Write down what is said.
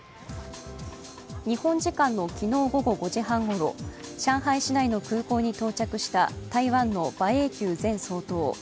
日本時間の昨日午後５時半ごろ上海市内の空港に到着した台湾の馬英九前総統。